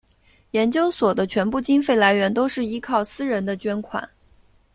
研究所的全部经费来源都是依靠私人的捐款。